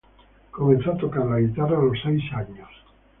Comenzó a tocar la guitarra a los seis años.